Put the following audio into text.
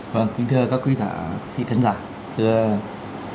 vâng kính thưa các quý vị khán giả